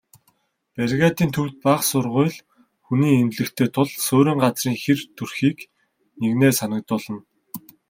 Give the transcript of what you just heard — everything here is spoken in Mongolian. Бригадын төвд бага сургууль, хүний эмнэлэгтэй тул суурин газрын хэр төрхийг нэгнээ санагдуулна.